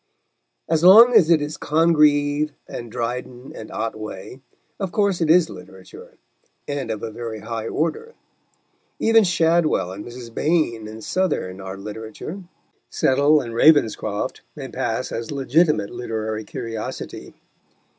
As long as it is Congreve and Dryden and Otway, of course it is literature, and of a very high order; even Shadwell and Mrs. Behn and Southerne are literature; Settle and Ravenscroft may pass as legitimate literary curiosity.